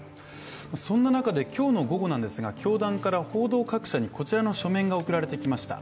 そんな中で今日の午後ですが、教団から報道各社にこちらの書面が送られてきました。